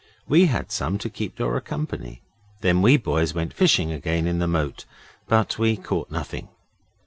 We had some to keep Dora company. Then we boys went fishing again in the moat, but we caught nothing.